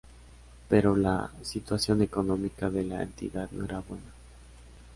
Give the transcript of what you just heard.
Pero la situación económica de la entidad no era buena.